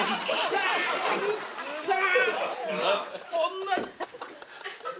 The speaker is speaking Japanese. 同じ！